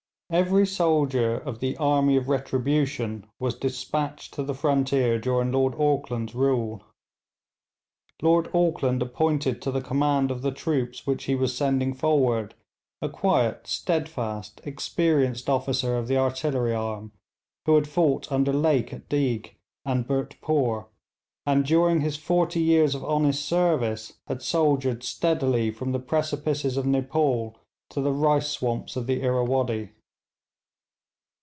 Every soldier of the 'Army of Retribution' was despatched to the frontier during Lord Auckland's rule. Lord Auckland appointed to the command of the troops which he was sending forward a quiet, steadfast, experienced officer of the artillery arm, who had fought under Lake at Deig and Bhurtpore, and during his forty years of honest service had soldiered steadily from the precipices of Nepaul to the rice swamps of the Irrawaddy.